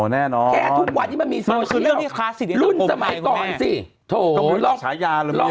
นี่คุณใส่เสื้อลายหินออดเลยหรือวันนี้